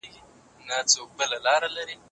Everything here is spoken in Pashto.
وخت د هر انسان په ژوند کې بدلون راولي.